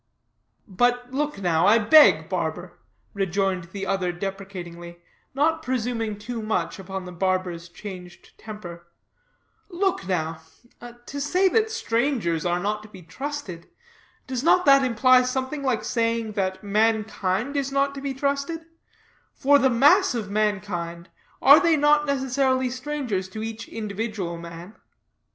"But look, now, I beg, barber," rejoined the other deprecatingly, not presuming too much upon the barber's changed temper; "look, now; to say that strangers are not to be trusted, does not that imply something like saying that mankind is not to be trusted; for the mass of mankind, are they not necessarily strangers to each individual man?